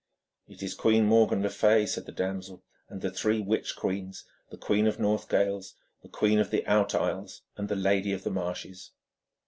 'It is Queen Morgan le Fay,' said the damsel, 'and the three witch queens, the Queen of Northgales, the Queen of the Out Isles, and the Lady of the Marshes.'